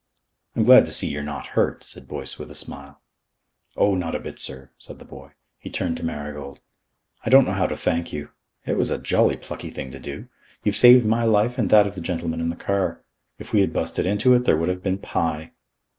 "I'm glad to see you're not hurt," said Boyce with a smile. "Oh, not a bit, sir," said the boy. He turned to Marigold. "I don't know how to thank you. It was a jolly plucky thing to do. You've saved my life and that of the gentleman in the car. If we had busted into it, there would have been pie."